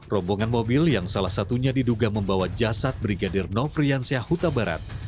rombongan mobil yang salah satunya diduga membawa jasad brigadir nofriansyah huta barat